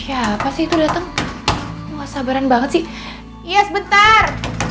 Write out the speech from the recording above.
siapa sih itu dateng sabaran banget sih iya sebentar